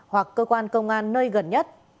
hoặc cơ quan công an nơi gần nhất